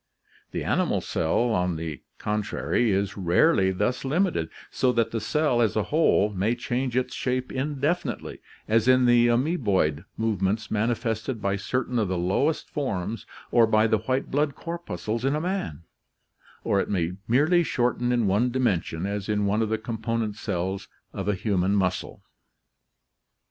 The animal cell, on the contrary, is rarely thus limited, so that the cell, as a whole, may change its shape indefinitely as in the amoeboid movements manifested by certain of the lowest forms or by the white blood corpuscles in a man, or it may merely shorten in one dimension, as in one of the component cells of a human muscle.